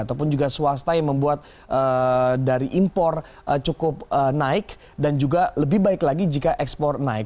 ataupun juga swasta yang membuat dari impor cukup naik dan juga lebih baik lagi jika ekspor naik